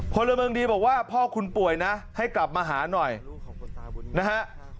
พลเมืองดีบอกว่าพ่อคุณป่วยนะให้กลับมาหาหน่อยนะฮะ